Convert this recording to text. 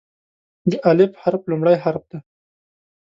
د "الف" حرف لومړی حرف دی.